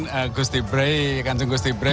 kemudian kansung gusti brei